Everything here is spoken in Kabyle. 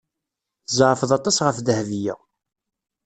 Tzeɛfeḍ aṭas ɣef Dahbiya.